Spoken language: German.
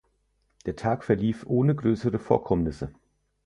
Der Tag verlief ohne größere Vorkommnisse.